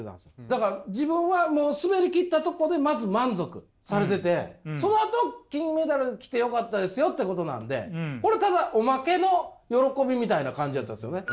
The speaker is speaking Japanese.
だから自分はもう滑り切ったとこでまず満足されててそのあと金メダル来てよかったですよってことなんでこれただオマケの喜びみたいな感じやったんですよね。